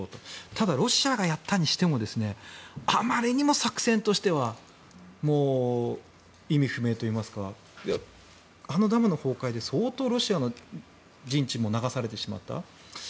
ただ、ロシアがやったにしてもあまりにも作戦としてはもう意味不明といいますかあのダムの崩壊で相当、ロシアの陣地も流されてしまった。